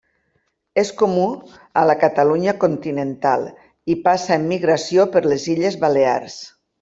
És comú a la Catalunya continental i passa en migració per les Illes Balears.